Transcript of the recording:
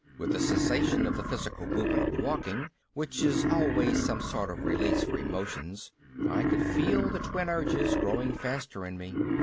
With the cessation of the physical movement of walking, which is always some sort of release for emotions, I could feel the twin urges growing faster in me.